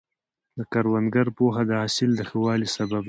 د کروندګر پوهه د حاصل د ښه والي سبب ده.